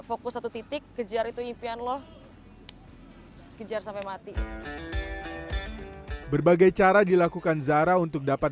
fokus satu titik kejar itu impian lo kejar sampai mati berbagai cara dilakukan zara untuk dapat